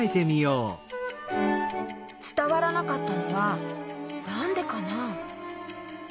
つたわらなかったのはなんでかな？